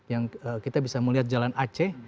yang kita bisa melihat jalan aceh